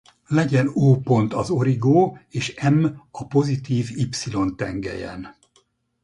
Legyen O pont az origó és M a pozitív y-tengelyen.